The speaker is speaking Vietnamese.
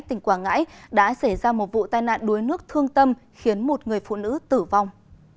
tỉnh quảng ngãi đã xảy ra một vụ tai nạn đuối nước thương tâm khiến một người phụ nữ tử vong